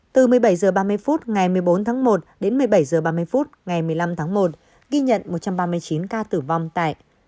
từ một mươi bảy h ba mươi phút ngày một mươi bốn tháng một đến một mươi bảy h ba mươi phút ngày một mươi năm tháng một ghi nhận một trăm ba mươi chín ca tử vong tại